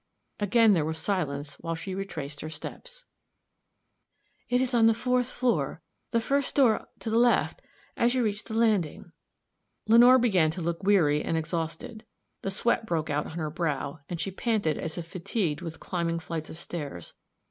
Again there was silence while she retraced her steps. "It is on the fourth floor, the first door to the left, as you reach the landing." Lenore began to look weary and exhausted; the sweat broke out on her brow, and she panted as if fatigued with climbing flights of stairs.